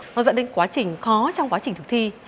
nó dẫn đến quá trình khó trong quá trình thực thi